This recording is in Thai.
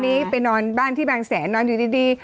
อันนี้ไปนอนบ้านที่บางแสนยังดึดดีดี